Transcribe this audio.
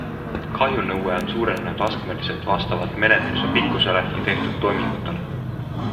Kahjunõue on suurenenud astmeliselt vastavalt menetluse pikkusele ja tehtud toimingutele.